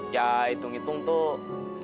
ya hitung hitung tuh